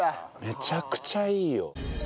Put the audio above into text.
めちゃくちゃいいよ。